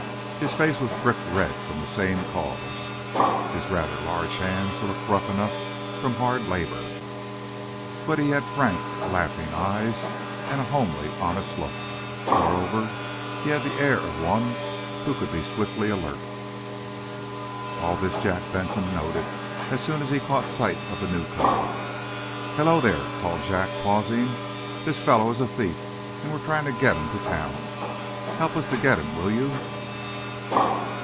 His face was brick red from the same cause. His rather large hands looked rough enough from hard labor. But he had frank, laughing eyes and a homely, honest look. Moreover, he had the air of one who could be swiftly alert. All this Jack Benson noted as soon as he caught sight of the newcomer. "Hullo, there!" called Jack, pausing. "This fellow is a thief, and we're trying to get him to town. Help us to get him, will you?"